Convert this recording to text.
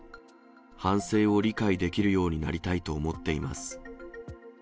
反省を理解できるようになりたいと思っています。